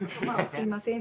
「すいません」